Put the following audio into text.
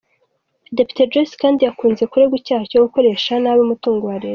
Depite Joyce kandi yakunze kuregwa icyaha cyo gukoresha nabi umutungo wa leta.